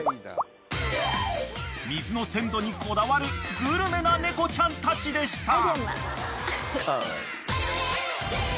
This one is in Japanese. ［水の鮮度にこだわるグルメな猫ちゃんたちでした］